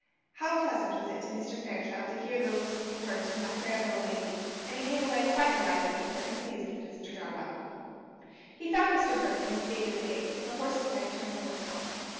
How pleasant was it to Mr. Fairchild to hear those words from that fair little lady! And he came away quite delighted with her, and pleased with Mr. Darwell. He found Mr. Burke in his gig at the gates, with the horse's head turned towards home.